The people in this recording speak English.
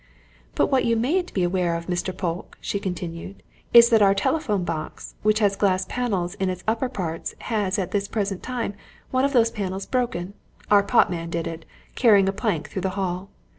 "But what you mayn't be aware of, Mr. Polke," she continued, "is that our telephone box, which has glass panels in its upper parts, has at this present time one of these panels broken our pot man did it, carrying a plank through the hall.